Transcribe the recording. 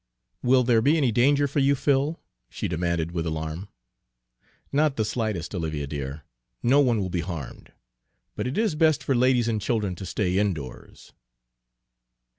"Will there be any danger for you, Phil?" she demanded with alarm. "Not the slightest, Olivia dear. No one will be harmed; but it is best for ladies and children to stay indoors."